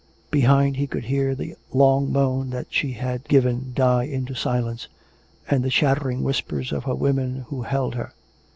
Behind he could hear the long moan that she had given die into silence, and the chattering whispers of her women who held her.